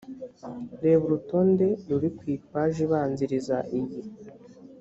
reba urutonde ruri ku ipaji ibanziriza iyi